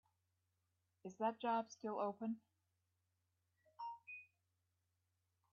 Is that job still open?